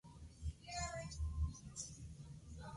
Jazz", "Moves" o "Events".